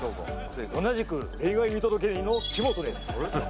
同じく恋愛見届け人の木本です